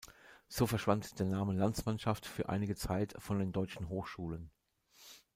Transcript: So verschwand der Name „Landsmannschaft“ für einige Zeit von den deutschen Hochschulen.